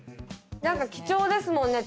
貴重ですもんね